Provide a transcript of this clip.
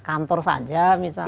ya kantor saja misalnya